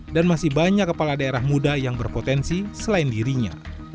dan masih banyak kepala daerah muda yang berpotensi selain dirinya